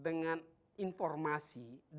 dan keterbatasan informasi yang mereka miliki